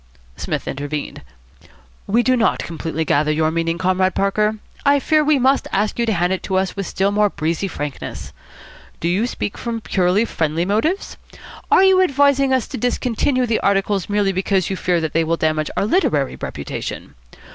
Psmith intervened. "We do not completely gather your meaning, Comrade Parker. I fear we must ask you to hand it to us with still more breezy frankness. Do you speak from purely friendly motives? Are you advising us to discontinue the articles merely because you fear that they will damage our literary reputation?